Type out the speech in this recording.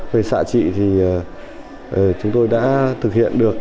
về xạ trị thì chúng tôi đã thực hiện được